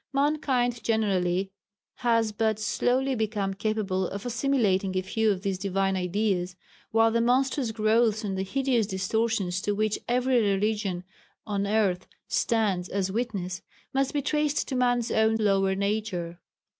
Mankind generally has but slowly become capable of assimilating a few of these divine ideas, while the monstrous growths and hideous distortions to which every religion on earth stands as witness, must be traced to man's own lower nature.